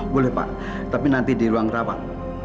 boleh pak tapi nanti di ruang rawat